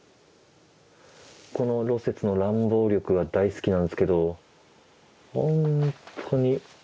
この芦雪の乱暴力が大好きなんですけどほんとに。